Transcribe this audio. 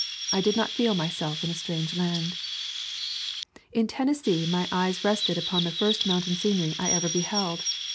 I did not feel myself in a strange land. In Tennessee my eyes rested upon the first mountain scenery I ever beheld.